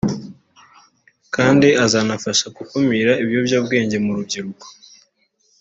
kandi azanafasha gukumira ibiyobyabwenge mu rubyiruko